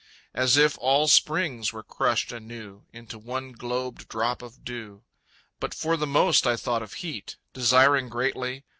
As if all springs were crushed anew Into one globed drop of dew! But for the most I thought of heat, Desiring greatly....